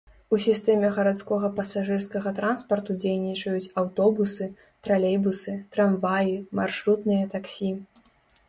У сістэме гарадскога пасажырскага транспарту дзейнічаюць аўтобусы, тралейбусы, трамваі, маршрутныя таксі.